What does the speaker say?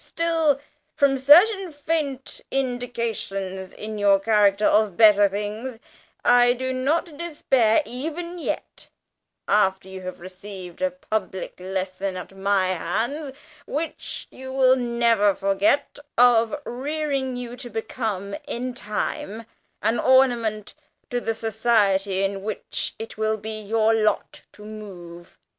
Still from certain faint indications in your character of better things, I do not despair even yet (after you have received a public lesson at my hands, which you will never forget) of rearing you to become in time an ornament to the society in which it will be your lot to move.